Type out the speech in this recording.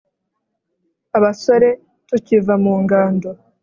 abasore tukiva mu ngando